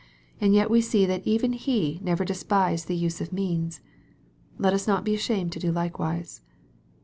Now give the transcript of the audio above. And yet we see ihat even he never despised the use of means. Let us not be ashamed to do likewise.